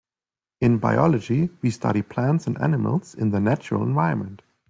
In biology we study plants and animals in their natural environment.